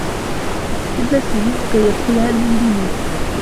تُبْنَى السُّجُونُ كَيْ يَدْخُلَهَا الْمُجْرِمُونَ.